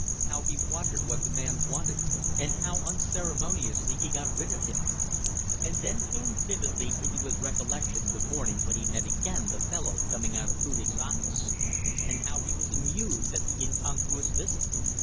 How he wondered what the man wanted, and how unceremoniously he got rid of him. And then came vividly into his recollection the morning when he met again that fellow coming out of Hudig's office, and how he was amused at the incongruous visit.